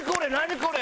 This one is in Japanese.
これ！